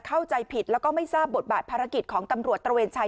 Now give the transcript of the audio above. เข้าใจผิดแล้วก็ไม่ทราบบทบาทภารกิจของตำรวจตระเวนชาย